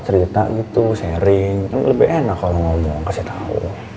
cerita gitu sharing kan lebih enak kalau ngomong kasih tau